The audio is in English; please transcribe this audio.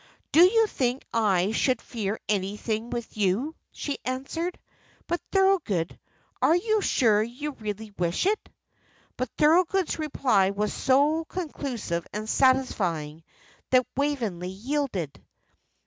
"Do you think I should fear anything with you?" she answered. "But, Thorold, are you sure you really wish it?" But Thorold's reply was so conclusive and satisfying that Waveney yielded.